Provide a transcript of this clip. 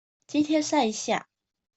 今天曬一下